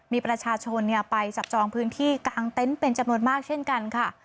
มีประชาชนไปจับจองพื้นที่กลางเต็นต์เป็นจำนวนมากเช่นกันค่ะ